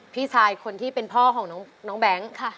พี่ชายคนที่เป็นพ่อของน้องแบงค์